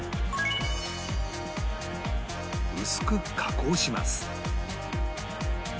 薄く加工します